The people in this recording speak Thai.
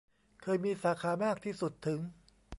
เคยมีสาขามากที่สุดถึง